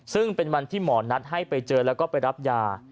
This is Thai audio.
ซึ่งเป็นวันที่หมอนัดให้ไปเจอแล้วก็ไปรับยา